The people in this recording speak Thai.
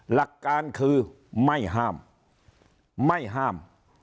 หลักการคือไม่ห้ามไม่ห้าม